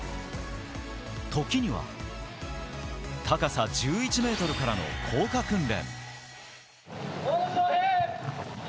時には、高さ１１ｍからの降下訓練。